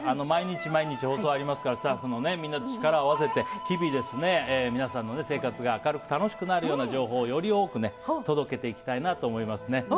毎日毎日、放送ありますからスタッフもみんな、力を合わせて日々、皆さん生活が明るく楽しくなるような情報をより多く届けていきたいなと思います。